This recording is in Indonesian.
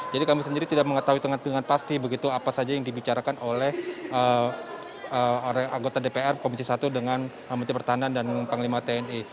jadi kami sendiri tidak mengetahui dengan pasti begitu apa saja yang dibicarakan oleh anggota dpr komisi satu dengan kementerian pertahanan dan panglima tni